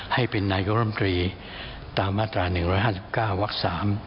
ให้เป็นนายกรมตรีตามมาตรา๑๕๙วัก๓